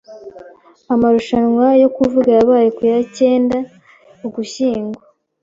Amarushanwa yo kuvuga yabaye ku ya cyenda Ugushyingo.